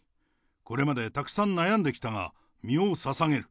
これまで、たくさん悩んできたが、身をささげる。